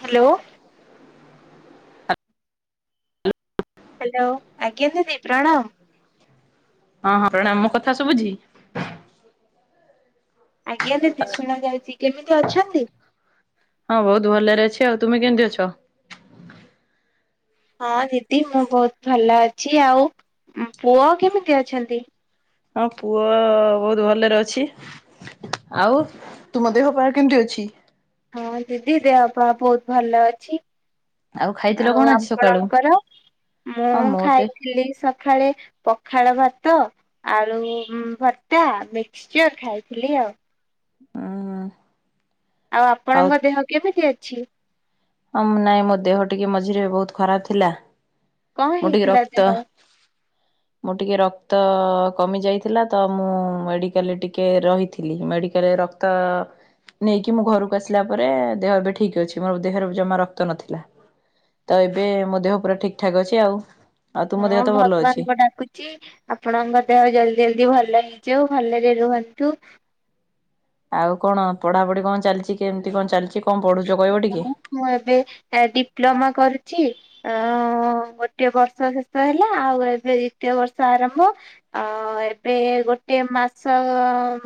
Hello. Hello, ଆଜ୍ଞା ଦିଦି ପ୍ରଣାମ। ହଁ, ହଁ ପ୍ରଣାମ, ମୋ କଥା ସୁବୁଝି? ଆଜ୍ଞା ଦିଦି ଶୁଣା ଯାଉଚି। କେମିତି ଅଛନ୍ତି? ହଁ ବହୁତ ଭଲରେ ଅଛି। ଆଉ ତୁମେ କେମିତି ଅଛ? ହଁ ଦିଦି ମୁଁ ବହୁତ ଭଲ ଅଛି। ଆଉ ଉଁ, ପୁଅ କେମିତି ଅଛନ୍ତି? ହଁ ପୁଅ ବହୁତ ଭଲରେ ଅଛି। ଆଉ ତୁମ ଦେହ ପା କେମିତି ଅଛି? ହଁ ଦିଦି ଦେହ ପା ବହୁତ ଭଲ ଅଛି। ଖାଇଥିଲ ଆଉ କଣ ଆଜି ସକାଳୁ? ଆପଣଙ୍କର? ମୁଁ ହଁ ମୋ ଦେ ଖାଇଥିଲି ସ ଖାଳେ ପଖାଳ ଭାତ ଆଳୁ ଉଁ, ଭର୍ତ୍ତା ମିକ୍ସଚର୍ ଖାଇଥିଲି ଆଉ। ଅଁ, ହଁ। ଆଉ ଆପଣଙ୍କ ଦେହ କେମିତି ଅଛି? ହଁ ନାଇଁ ମୋ ଦେହ ଟିକେ ମଝିରେ ବହୁତ ଖରାପ ଥିଲା। କଣ ମୁଁ ଟିକେ ହେଇଥିଲା ଦେହ? ରକ୍ତ ମୁଁ ଟିକେ ରକ୍ତ କମି ଯାଇଥିଲା ତ ମୁଁ ମେଡିକାଲ୍ ରେ ଟିକେ ରହିଥିଲି। ମେଡିକାଲ୍ ରେ ରକ୍ ତ ନେଇକି ମୁଁ ଘରକୁ ଆସିଲା ପରେ ଦେହ ଏବେ ଠିକ ଅଛି। ମୋ ଦେହରେ ଜମା ରକ୍ତ ନଥିଲା, ତ ଏବେ ମୋ ଦେହ ପୁରା ଠିକ ଠାକ୍ ଅଛି ଆଉ। ଆଉ ତୁମ ଦେହ ହଁ ତ ଭଲ ଅଛି। ଭଗବାନଙ୍କୁ ଡାକୁ ଚି ଆପଣଙ୍କ ଦେହ ଜଲଦି ଜଲଦି ଭଲ ହେଇଯାଉ ଭଲରେ ରୁହନ୍ତୁ। ଆଉ କଣ ପଢ଼ାପଢ଼ି କଣ ଚାଲିଚି, କେମିତି କଣ ଚାଲିଚି, କଣ ପଢ଼ୁଚ କହିବ ଟିକେ? ମୁଁ ଏବେ ତ ଡିପ୍ଲୋମା କରୁଛି। ଅ, ଗୋଟିଏ ବର୍ଷ ଶେଷ ହେଲା। ଆଉ ଏବେ ଦିତୀୟ ବର୍ଷ ଆରମ୍ଭ। ଅ, ଏବେ ଗୋଟିଏ ମାସ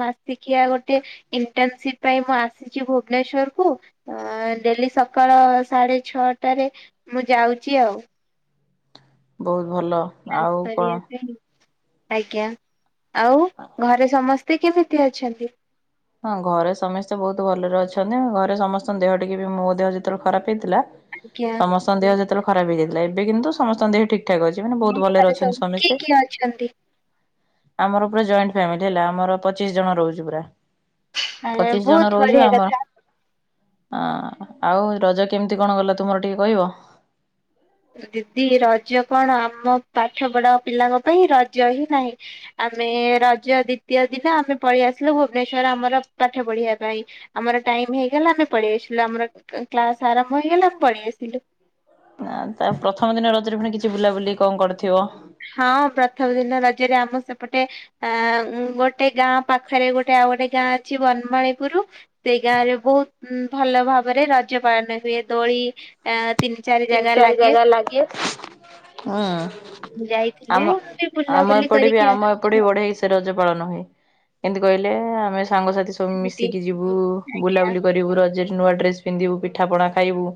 ମାସିକିଆ ଗୋଟେ ଇଣ୍ଟର୍ନସିପ୍ ପାଇଁ ମୁଁ ଆସିଚି ଭୁବନେଶ୍ଵରକୁ। ଅଁ, ଡେଲି ସକାଳ ସାଡେ ଛଅଟାରେ ମୁଁ ଯାଉଚି ଆଉ। ବହୁତ ଭଲ। ଆଉ କଣ ଆଜ୍ଞା ଆଉ ଘରେ ସମସ୍ ସେ କେମିତି ଅଛନ୍ତି? ହଁ ଘରେ ସମେସ୍ତେ ବହୁତ ଭଲରେ ଅଛନ୍ତି। ମୁଁ ଘରେ ସମସ୍ତଙ୍କ ଦେହ ଟିକେ ବି ମୋ ଦେହ ଯେତେବେଳେ ଖରାପ ହେଇଥିଲା ଆଜ୍ଞା ସମସ୍ତଙ୍କ ଦେହ ଯେତେଳେ ଖରାପ ହେଇଯାଇଥିଲା, ଏବେ କିନ୍ତୁ ସମସ୍ତଙ୍କ ଦେହ ଠିକ୍ ଠାକ୍ ଅଛ ଚି, ମାନେ ମୋ ବହୁତ ଭଲରେ ଘରେ ସବୁ ଅଛନ୍ତି କିଏ ସମେସ୍ତେ। କିଏ ଅଛନ୍ତି? ଆମର ପୁରା ଜଏଣ୍ଟ ଫ୍ୟାମିଲି ହେଲା, ଆମର ପଚିଶ ଜଣ ରହୁଚୁ ପୁରା। ପଚିଶ ଜଣ ବହୁତ ରହୁଚୁ, ବଢିଆ କଥା। ଆମ ଅଁଯ, ଆଉ ରଜ କେମିତି କଣ କଲ ତୁମର ଟିକେ କହିବ? ଦିଦି ରଜ କଣ? ଆମ ପାଠପଢା ପିଲାଙ୍କ ପାଇଁ ରଜ ହିଁ ନାହିଁ। ଆମେ ରଜ ଦ୍ଵିତୀୟ ଦିନ ଆମେ ପଳି ଆସିଲୁ ଭୁବନେଶ୍ଵର ଆମର ପାଠ ପଢିବା ପାଇଁ। ଆମର ଟାଇମ୍ ହେଇଗଲା ଆମେ ପଳି ଆସିଲୁ। ଆମର କ୍ଲାସ୍ ଆରମ୍ଭ ହେଇଗଲା ଆମେ ପଳି ଆସିଲୁ। ଆଁ, ତ ପ୍ରଥମ ଦିନ ରଜରେ ପୁଣି କିଛି ବୁଲାବୁଲି କଣ କରିଥିବ? ହଁ ପ୍ରଥମ ଦିନ ରଜରେ ଆମ ସେପଟେ ଆଁ, ମୁଁ ଗୋଟେ ଗାଁ ପାଖରେ ଗୋଟେ ଆଉ ଗୋଟେ ଗାଁ ଅଛି ବନମାଳିପୁର ସେଇ ଗାଁରେ ବହୁତ ଉଁ, ଭଲ ଭାବରେ ରଜ ପାଳନ ହୁଏ। ଦୋଳି ଆ, ତିନି ଚାରି ଜାଗା ଲାଗେ। ଲାଗେ। ଅଁ, ଯାଇଥିଲୁ ଟିକେ ବୁଲାବୁଲି ବି କରିକି ଆ ଆମ ଏପଟେ ବଢେଇସେ ରଜ ପାଳନ ହୁଏ, କେମିତି କହିଲେ ଆମେ ସାଙ୍ଗସାଥି ସ ସବୁ ମିଶିକି ଯିବୁ ବୁଲାବୁଲି କରିବୁ ରଜରେ। ନୂଆ ଡ୍ରେସ ପିନ୍ଧିବୁ, ପିଠାପଣା ଖାଇବୁ,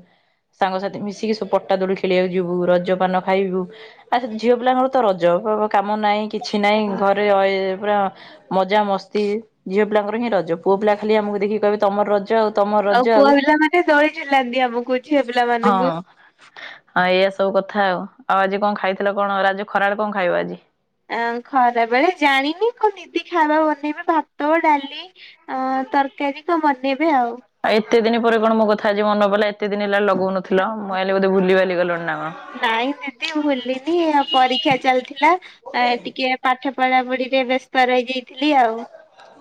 ସାଙ୍ଗସାଥି ମିଶି ତିକି ସବୁ ପଟା ଦୋଳି ଖେଳିବାକୁ ଯିବୁ, ରଜପାନ ଖାଇବୁ ଆଉ ସେ ଝିଅ ପିଲାଙ୍କର ତ ରଜ [unintelligible] କାମ ନାଇଁ କିଛି ହଁ ନାଇଁ ଘରେ ରହିବେ ପୁରା। ମଜା ମସ୍ତି ଝିଅ ପିଲାଙ୍କର ହିଁ, ରଜ ପୁଅ ପିଲା ଖାଲି ଆମକୁ ଦେଖିକି କହିବେ ତମର ରଜ ଆଉ ତମର ଆଉ ରଜ ପୁଅ ପିଲାମାନେ ଦୋଳି ଝୁଲାନ୍ତି ଆମକୁ ଝିଅ ପିଲାମାନୁଙ୍କୁ। ହଁ ହଁ ଏଇଆ ସବୁ କଥା ଆଉ ଆଉ ଆଜି କଣ ଖାଇଥିଲ କଣ ରା ଯୋଉ ଖରାବେଳେ କଣ ଖାଇବ ଆଜି? ଆ ଖରାବେଳେ ଜାଣିନି। କଣ ଦିଦି ଖାଇବା ବନେଇବେ ଭାତ, ଡାଲି? ଆଁ ତରକାରୀ କଣ ବନେଇବି ଆଉ? ଆଉ ଏତେ ଦିନ ପରେ କଣ ମୋ କଥା ଆଜି ମନେ ପଇଲା? ଏତେ ଦିନ ହେଲା ଲଗଉନଥିଲ, ମୁଁ ଭାବିଲି ବୋଧେ ଭୁଲି ଭାଲି ଗଲଣି ନା କଣ। ନାଇଁ ଦିଦି ଭୁଲିନି ଆ ପରୀକ୍ଷା ଚାଲିଥିଲା ଏଁ ଟିକିଏ ପାଠ ପଢାପଢିରେ ବେସ୍ତ ରଇଯାଇଥିଲି ଆଉ।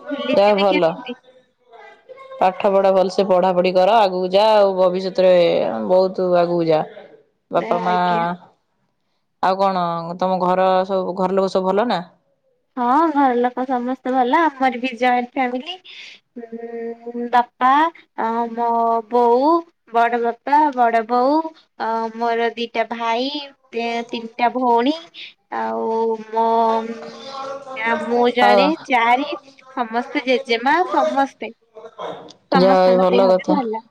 ଭୁଲି ଦେହ ଯିବି ଭଲ। କେମିତି? [inaudible] ପାଠ ପଢ ଭଲସେ ପଢାପଢି କର। ଆଗକୁ ଯା ଆଉ ଭବିଷ୍ୟତରେ ବୋହୁତ ଆଗକୁ ଯା [inaudible] ବାପା ମା ଆଜ୍ଞା ଆଉ କଣ ତମ ଘରେ ସବୁ ଘର ଲୋକ ସବୁ ଭଲ ନା? ହଁ ଘର ଲୋକ ସମେସ୍ତେ ଭଲ। ଆମର ବି ଜଏଣ୍ଟ ଫ୍ୟାମିଲି। ମୁଁ ବାପା ଆଉ ମୋ ବୋଉ। ବଡବାପା, ବଡବୋଉ, ଆଉ ମୋର ଦିଟା ଭାଇ। ତି ତିନିଟା ଭଉଣୀ ଆଉ ମୋ ଉଁ ଆ ମୁଁ ଆଉ ଜଣେ ଚାରି ସମସ୍ତେ ଜେଜେମା ସମସ୍ତେ ଯାହା ହଉ ସମସ୍ତଙ୍କ ଭଲ ଦେହ ବି ଭଲ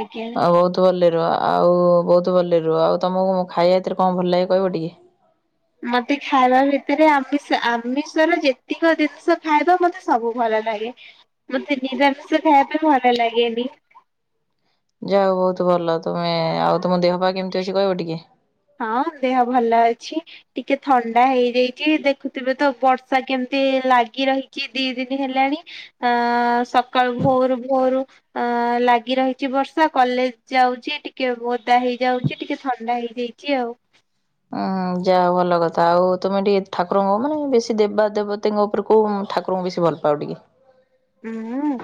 ଆଜ୍ଞା। ଭଲେ ରୁଅ ଆଉ ବୋହୁତ ଭଲରେ ରୁଅ ଆଉ ତମୁକୁ ଖାଇବା ଭିତେରେ କଣ ଭଲ ଲାଗେ କହିବ ଟିକେ? ମତେ ଖାଇବା ଭିତେରେ ଆମିଷ, ଆମିଷର ଯେତିକ ଜିନିଷ ଖାଇବା ମତେ ସବୁ ଭଲ ଲାଗେ। ମତେ ନିରାମିଷ ଖାଇବା ପାଇଁ ଭଲ ଲାଗେନି। ଯାହା ହଉ ବହୁତ ଭଲ ତମେ, ଆଉ ତମ ଦେହ ପା କେମିତି ଅଛି କହିବ ଟିକେ? ହଁ ଦେହ ଭଲ ଅଛି। ଟିକେ ଥଣ୍ଡା ହେଇଯାଇଛି, ଦେଖୁଥିବେ ତ ବର୍ଷା କେମିତି ଲାଗି ରହିଛି ଦି ଦିନି ହେଲାଣି। ଆ ସକାଳୁ ଭୋରୁ ଭୋରୁ ଆ ଲାଗି ରହିଛି ବର୍ଷା କଲେଜ ଯାଉଛି ଟିକେ ଓଦା ହେଇଯାଉଛି ଟିକେ ଥଣ୍ଡା ହେଇଯାଇ ଚି ଆଉ। ଉଁ ଯାହା ଭଲ କଥା। ଆଉ ତମେ ଟିକେ ଠାକୁରଙ୍କ ମାନେ ବେଶୀ ଦେବା ଦେବତୀଙ୍କ ଉପରେ କୋଉ ଠାକୁ ଠାକୁର ଙ୍କୁ ବେଶୀ ଭଲ ପାଅ ଟିକେ? ହୁଁ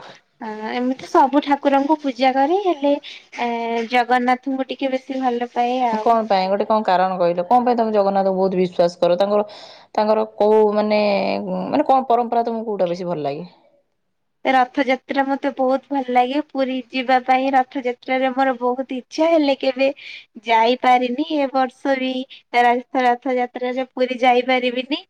ଆ ଏମିତି ସବୁ ଠାକୁରଙ୍କୁ ପୂଜା କରେ ହେଲେ ଏ ଜଗନ୍ନାଥଙ୍କୁ ଟିକେ ବେଶୀ ଭଲ ପାଏ ଆଉ। କଣ ପାଇଁ ଗୋଟେ କଣ କାରଣ କହିଲ କଣ ପାଇଁ ତମେ ଜଗନ୍ନାଥଙ୍କୁ ବହୁତ ବିଶ୍ଵାସ କର ତାଙ୍କର ତାଙ୍କର କୋଉ ମାନେ ମାନେ ଉଁ କଣ ପରମ୍ପରା ତମକୁ କୋଉଟା ବେଶୀ ଭଲ ଲାଗେ? ରଥଯାତ୍ରା ମତେ ବହୁତ ଭଲ ଲାଗେ ପୁରୀ ଯିବା ପାଇଁ ରଥଯାତ୍ରାରେ ମୋର ବହୁତ ଇ ଇଛା ହେଲେ କେବେ ଯାଇପାରିନି। ଏ ବର୍ଷ ବି ରଥ ରଥଯାତ୍ରା ରେ ପୁରୀ ଯାଇପାରିବିନି।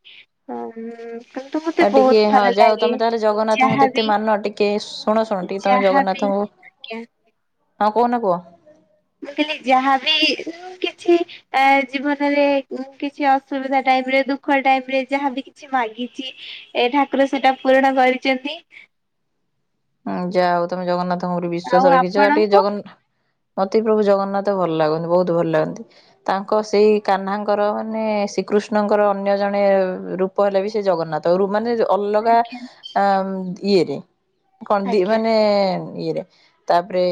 ଅ ଉଁ କିନ୍ତୁ ମତେ ଆଉ ଟିକେ ବହୁତ ହଁ ଭଲ ଯାଅ ଲାଗେ ତମେ ତାହେଲେ ଜଗନ୍ନାଥଙ୍କୁ ଏତେ ଯାହାବି ମାନ ଟିକେ ଶୁଣ ଶୁଣ ଟିକେ ତମେ ଯାହାବି ଜଗନ୍ନାଥଙ୍କୁ ଆଜ୍ଞା ହଁ କହୁନ କୁହ ମୁଁ ଖାଲି ଯାହା ବିି କିଛି ଏ ଜୀବନରେ କିଛି ଅସୁବିଧା ଟାଇମ ରେ ଦୁଃଖ ଟାଇମ ରେ ଯାହାବି କିଛି ମାଗିଛି ଏ ଠାକୁର ସେଟା ପୂରଣ କରିଛନ୍ତି। ଉଁ ଯାହା ହଉ ତମେ ଜଗନ୍ନାଥଙ୍କ ଉପରେ ଆଉ ବିଶ୍ଵାସ ରଖିଛ ଟିକେ ଆପଣଙ୍କୁ ଜଗନ୍ ମତେ ପ୍ରଭୁ ଜଗନ୍ନାଥ ଭଲ ଲାଗନ୍ତି ବହୁତ ଭଲ ଲାଗନ୍ତି। ତାଙ୍କ ସେଇ କାହ୍ନାଙ୍କର ମାନେ ଶ୍ରୀକୃଷ୍ଣଙ୍କର ଅନ୍ୟ ଜଣେ ରୂପ ହେଲେ ବି ସେଇ ଜଗନ୍ନାଥ। ତରୁ ମାନେ ଅଲଗା ଆମ ଇଏରେ। କଣ ଦି ଆଜ୍ଞା ମାନେ ଇଏରେ। ତାପରେ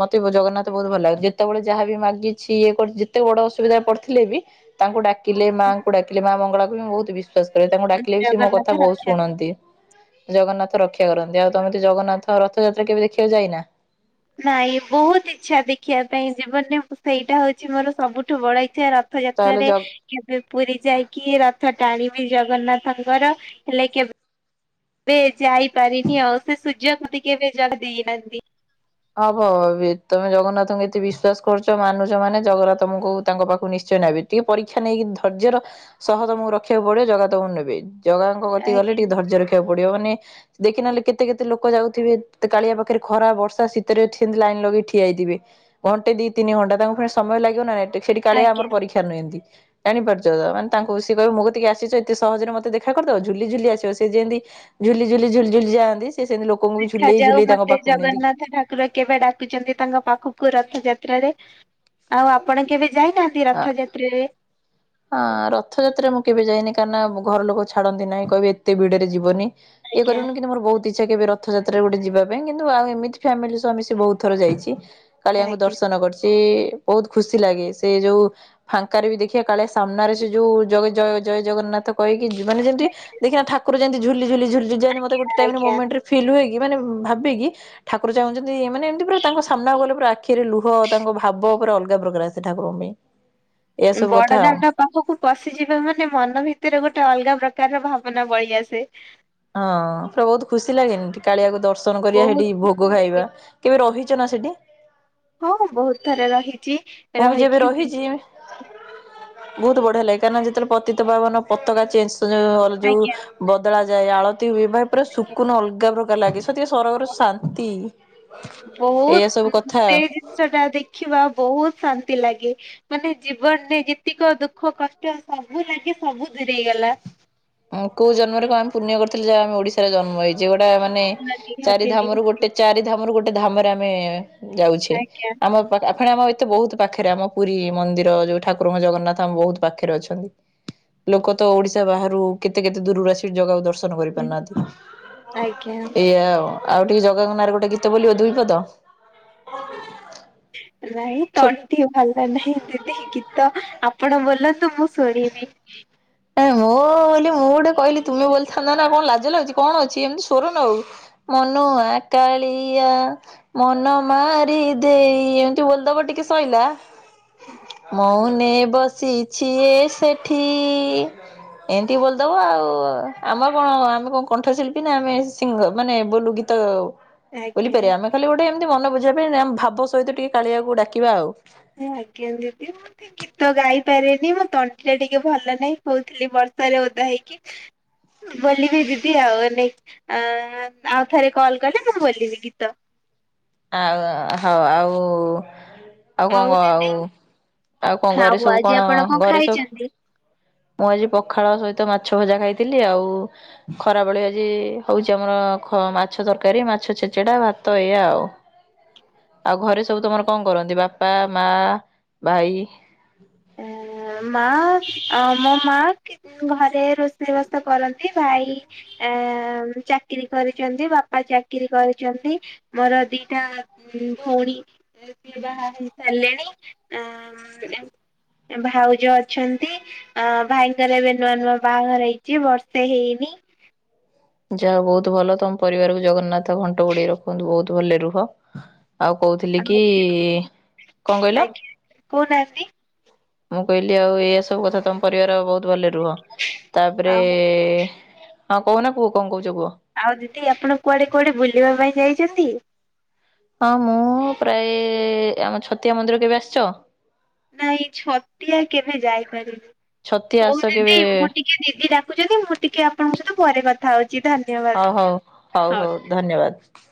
ମୋତେ ଜଗନ୍ନାଥ ବହୁତ ଭଲ ଲାଗନ୍ତି ଯେତେବେଳେ ଯାହା ବି ମାଗିଛି ଇଏ କରି ଯେତେ ବଡ଼ ଅସୁବିଧା ପଡ଼ିଥିଲେ ବି ତାଙ୍କୁ ଡା କିଲେ ମା ଙ୍କୁ ଡାକିଲେ ମା ମଙ୍ଗଳାକୁ ବି ମୁଁ ବହୁତ ବିଶ୍ଵାସ କରେ ତାଙ୍କୁ ଡାକିଲେ ବି ସେ ମୋ କଥା ଜଗନ୍ନାଥ ବହୁତ ରକ୍ଷା ଶୁଣନ୍ତି। ଜଗନ୍ନାଥ ରକ୍ଷା କରନ୍ତି ଆଉ ତମେ ତ୍ ଜଗନ୍ନାଥ ରଥଯାତ୍ରା କେବେ ଦେଖିବାକୁ ଯାଇନା? ନାଇଁ ବହୁତ ଇଚ୍ଛା ଦେଖିବା ପାଇଁ ଜୀବନରେ ସେଇଟା ହଉଛି ମୋର ସବୁଠୁ ବଡ ଇଚ୍ଛା ର ରଥ ତାହେଲେ ଯାତ୍ରାରେ ଜଗ କେବେ ପୁରୀ ଯାଇକି ରଥ ଟାଣିବି ଜଗନ୍ନାଥଙ୍କର ହେଲେ କେ କେବେ ଯାଇ ପାରିନି ଆଉ ସେ ସୁଯୋଗ ମତେ କେବେ ଜଗା ଦେଇନାହାନ୍ତି। ହବ ବି ତମେ ଜଗନ୍ନାଥଙ୍କୁ ଏତେ ବିଶ୍ୱାସ କରୁଛ ମାନୁଛ ମାନେ ଜଗନ୍ନାଥ ତମକୁ ତାଙ୍କ ପାଖକୁ ନିଶ୍ଚୟ ନେବେ। ଟିକେ ପରୀକ୍ଷା ନେଇକି ଧୈର୍ଯ୍ୟର ସହ ତମକୁ ରଖିବାକୁ ପଡିବ ଜଗା ତମକୁ ନେବେ। ଜଗାଙ୍କ କତିକି ଗଲେ ଆଜ୍ଞା ଟିକେ ଧୈର୍ଯ୍ୟ ରଖି ଯିବାକୁ ପଡିବ ମାନେ ଦେଖିନହେଲେ କେତେ କେତେ ଲୋକ ଯାଉଥିବେ କାଳିଆ ପାଖରେ ଖରା ବର୍ଷା ଶୀ ଭିତରେ ସେମିତି ଲାଇନ ଲଗେଇ ଠିଆଇଥିବେ ଘଣ୍ଟେ ଦିଇ ତିନି ଘଣ୍ଟା ତାଙ୍କୁ ଫୁଣି ସମୟ ଲାଗିବ ନା ନାଇ ଟେ ଫେରି କାଳିଆ ଆମର ଆଜ୍ଞା ପରୀକ୍ଷା ନିଅନ୍ତି। ଜାଣିପାରୁଛ ତ ମାନେ ତାଙ୍କୁ ସିଏ କହିବ ମୋ କତିକି ଆସିଛ ଏତେ ସହଜରେ ମତେ ଦେଖା କରିଦବ ଝୁଲିଝୁଲି ଆସିବ ସେ ଯେନ୍ତି ଝୁଲି ଝୁଲିଝୁଲି ଝୁଲି ଯାଆନ୍ତି ସିଏ ସେମିତି ଲୋକଙ୍କୁ ବି ଝୁଲେଇ ଦେଖାଯାଉ ଝୁଲେଇ ତାଙ୍କ ମତେ ପାଖକୁ ନିଅନ୍ତି। ଜଗନ୍ନାଥ ଠାକୁର କେବେ ଡାକୁଛନ୍ତି ତାଙ୍କ ପାଖକୁ ରଥଯାତ୍ରାରେ ଆଉ ଆପଣ କେବେ ଯାଇନାହାନ୍ତି? ରଥଯାତ୍ରା ରେ। ହଁ ରଥଯାତ୍ରା ମୁଁ କେବେ ଯାଇନି କାହିଁକି ନା ଘର ଲୋକ ଛାଡନ୍ତି ନାହିଁ କହିବେ ଏତେ ଭିଡରେ ଯିବନି। ଇଏ ଆଜ୍ଞା କରିବୁନୁ କିନ୍ତୁ ମୋର ବହୁତ ତ୍ ଇଚ୍ଛା କେବେ ରଥଯାତ୍ରାରେ ଗୋଟେ ଯିବା ପାଇଁ କିନ୍ତୁ ଆଉ ଏମିତି ଫ୍ୟାମିଲି ସହ ମିଶି ବହୁତ ଥର ଯାଇଛି। କାଳିଆଙ୍କୁ ଆଜ୍ଞା ଦର୍ଶନ କରିଛି ବହୁତ ଖୁସି ଲାଗେ ସେ ଯୋଉ ଫାଙ୍କାରେ ବି ଦେଖିବା କାଳିଆ ସାମ୍ନାରେ ସେ ଯୋଉ ଜ ଜୟ ଜଗନ୍ନାଥ କହିକି ମାନେ ଯେମିତି ଦେଖିନ ଠାକୁର ଯେମିତି ଝୁଲି ଝୁଲି ଝୁଲି ଯେମିତି ଗୋଟେ ଟାଇମରେ ଆଜ୍ଞା ମୋମେଣ୍ଟରେ ଫିଲ୍ ହୁଏ କି ମାନେ ଭାବେକି ଠାକୁର ଚାହୁଁଛନ୍ତି ମାନେ ଏମିତି ପୁରା ତାଙ୍କ ସାମ୍ନାକୁ ଗଲେ ପୁରା ଆଖିରେ ଲୁହ ତାଙ୍କ ଭାବ ପୁରା ଅଲଗା ପ୍ରକାର ଆସେ ଠାକୁରଙ୍କ ପାଇଁ ଏଇଆ ସବୁ ବଡ଼ କଥା ଆଉ। ଦାଣ୍ଡ ପାଖକୁ ପଶିଯିବେ ମାନେ ମନ ଭିତରେ ଗୋଟେ ଅଲଗା ପ୍ରକାରର ଭାବନା ବହିଆସେ। ହଁ ପୁରା ବହୁତ ଖୁସି ଲାଗେନି କାଳିଆକୁ ଦର୍ଶନ କରିବା ହେଠି ବହୁତ ଭୋଗ ଖାଇବା। କେବେ ରହିଛ ନା ସେଠି? ହଁ ବହୁତ ଥରେ ରହିଛି। ମୁଁ ବି ଯେବେ ରହିକି ରହିଛି ବହୁତ ବଢିଆ ଲାଗେ କାରଁ ନା ଯେତେବେଳେ ପତିତ ପାବନ ପତାକା ଚେଞ୍ଜ ଛୁଞ୍ଜା ଯୋଉ ଆଜ୍ଞା ବଦଳା ଯାଏ ଆଳତି ହୁଏ ବା ପୁରା ଆଜ୍ଞା ଶୁକୁନ ଅଲଗା ପ୍ରକାର ଲାଗେ ସତିକା ସରଗର ଶାନ୍ତି ଏଇଆ ବହୁତ ସବୁ କଥା ସେ ଆଉ। ଜିନିଷ ଟା ଦେଖିବା ବହୁତ ଶାନ୍ତି ଲାଗେ। ମାନେ ଜୀବନରେ ଯେତିକ ଦୁଃଖ କଷ୍ଟ ସବୁ ଲାଗେ ସବୁ ଦୂରେଇ ଗଲା। କୋଉ ଜନ୍ମରେ କଣ ଆମେ ପୁଣ୍ୟ କରିଥିଲେ ଯାହା ଆମେ ଓଡିଶାର ଜନ୍ମ ହେଇଛେ ଗୋଟା ମାନେ ଚାରି ନିହାତିନି ଧାମରୁ ଗୋଟେ ଚାରି ଧାମରୁ ଗୋଟେ ଧାମରେ ଆମେ ଯାଉଛେ ଆଜ୍ଞା। ଆମ ପାଖ ଫେଣେ ଆମ ଏତେ ବହୁତ ପାଖରେ ଆମ ପୁରୀ ମନ୍ଦିର ଯୋଉ ଠାକୁରଙ୍କ ଜଗନ୍ନାଥ ଆମ ବହୁତ ପାଖରେ ଅଛନ୍ତି। ଲୋକ ତ ଓଡିଶା ବାହାରୁ କେତେ କେତେ ଦୂରରୁ ଆସିକି ଜାଗାକୁ ଦର୍ଶନ ଆଜ୍ଞା କରିପାରୁନାହାଁନ୍ତି ଏଇଆ ଆଉ। ଆଉ ଟିକେ ଜଗାଙ୍କ ନାଁରେ ଗୋଟେ ଗୀତ ବୋଲିବ ଦୁଇପଦ? ହ ନାଇଁ ତଣ୍ଟି ଭଲ ନାହିଁ ଦିଦି ଗୀତ ଆପଣ ବୋଲନ୍ତୁ ମୁଁ ଶୁଣିବି। ନାଇଁ ମୁଁ ବୋଲି ମୁଁ ଗୋଟେ କହିଲି ତୁମେ ବୋଲିଥାନ୍ତା ନା କଣ ଲାଜ ଲାଗୁଛି କଣ ଅଛି ଏମିତି ସ୍ୱର ନହଉ। ମନୁଆ କାଳିଆ ମନ ମାରି ଦେଇ ଏମତି ବୋଲଦବ ଟିକେ ସଇଲା। ମଉନ ବସିଛି ଏ ସେଠି ଇ ଏମିତି ବୋଲିଦବ ଆଉ ଆମର କଣ ଆମେ କଣ କଣ୍ଠଶିଳ୍ପୀ ନା ଆମେ ସିଙ୍ଗର ମାନେ ବୋଲୁ ଗୀତ ତ ଆଜ୍ଞା। ବୋଲିପାରିବା ଆମେ ଖାଲି ଗୋଟେ ଏମିତି ମନ ବୁଝିବା ପାଇଁ ଭାବ ସହିତ ଟିକେ କାଳିଆକୁ ଡାକିବା ଆଉ। ହଁ ଆଜ୍ଞା ଦିଦି [unintelligible] ଗୀତ ଗାଇ ପାରେନି ମୋ ତଣ୍ଟି ଟା ଟିକେ ଭଲ ନାହିଁ କହୁଥିଲି ବର୍ଷାରେ ଓଦା ହେଇକି ବୋଲିବି ଦିଦି ଆଉ ଏନେ ଅ ଆଉ ଥରେ କଲ କଲେ ମୁଁ ବୋଲିବି ଗୀତ। ଆଉ ହଉ ଆଉ ଆଉ କଣ କ ଆଉ ଆଉ କଣ ଘରେ ସବୁ ଆଜି କଣ ଆପଣ ଘରେ ସବୁ ଖାଇଛନ୍ତି? ମୁଁ ଆଜି ପଖାଳ ସହିତ ମାଛ ଭଜା ଖାଇଥିଲି ଆଉ। ଖରାବେଳେ ଆଜି ହଉଛି ଆମର ଖ ମାଛ ତରକାରୀ ମାଛ ଛେଚେଡା ଭାତ ଏଇଆ ଆଉ। ଆଉ ଘରେ ସବୁ ତମର କଣ କରନ୍ତି ବାପା ମା ଭାଇ? ଏ ମା ଆ ଅ ମୋ ମା କି ଘରେ ରୋଷେଇବାସ କରନ୍ତି ଭାଇ ଆ ଚାକିର କରିଛନ୍ତି ବାପା ଚାକିର କରିଛନ୍ତି। ମୋର ଦିଟା ଭଉଣୀ ସେ ବାହା ହେଇ ସାରିଲେଣି ଆ ଭାଉଜ ଅଛନ୍ତି ଅ ଭାଇଙ୍କର ଏବେ ନୂଆ ନୂଆ ବାହାଘର ହେଇଛି ବର୍ଷେ ହେଇନି। ଯାହା ବହୁତ ଭଲ ତମ ପରିବାରକୁ ଜଗନ୍ନାଥ ଘଣ୍ଟ ଗୋଡେଇ ରଖନ୍ତୁ ବହୁତ ଭଲରେ ରୁହ। ଆଉ କହୁଥିଲି ଆଉ କି। କଣ କହିଲ? ଆଜ୍ଞା କହୁନାହାନ୍ତି ମୁଁ କହିଲି ଆଉ ଏଇଆ ସବୁ କଥା ତମ ପରିବାର ବହୁତ ତୁ ଭଲରେ ରୁହ ତାପରେ ଆଉ ହଁ କହୁନା କୁହ କଣ କହୁଛ କୁହ? ଆଉ ଦିଦି ଆପଣ କୁଆଡ଼େ କୁଆଡ଼େ ବୁଲିବା ପାଇଁ ଯାଇଛନ୍ତି? ହଁ ମୁଁ ପ୍ରାୟେ ଆମ ଛତିଆ ମନ୍ଦିର କେବେ ଆସିଛ। ନାଇଁ ଛତିଆ କେବେ ଯାଇପାରିନି। ଛତିଆ ହଉ ଆସ କେବେ ଦିଦି ମୁଁ ଟିକେ ଟିକେ ଦିଦି ଡାକୁଛନ୍ତି ମୁଁ ଟିକେ ଆପଣଙ୍କ ସହିତ ପରେ କଥା ହଉଛି। ଧନ୍ ହଉ ହଉ ହଉ ହଉ ଧନ୍ୟବାଦ୍